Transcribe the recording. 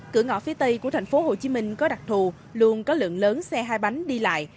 cửa ngõ phía tây của thành phố hồ chí minh có đặc thù luôn có lượng lớn xe hai bánh đi lại